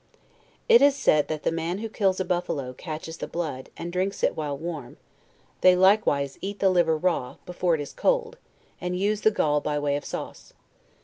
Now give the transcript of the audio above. It is said, that the man who kills a buffalo, catches the blood, and drinks it while warm; they likewise eat the liver raw, before it is cold, and use the gall by way of sause.